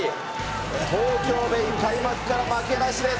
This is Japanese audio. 東京ベイ、開幕から負けなしです。